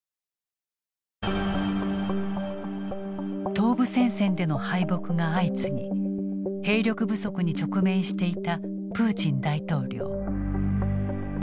東部戦線での敗北が相次ぎ兵力不足に直面していたプーチン大統領。